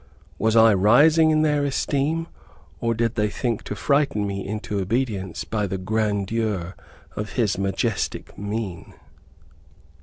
Was I rising in their esteem, or did they think to frighten me into obedience by the grandeur of his majestic mien?